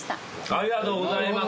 ありがとうございます。